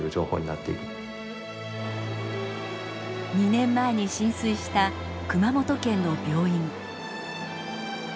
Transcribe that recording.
２年前に浸水した熊本県の病院。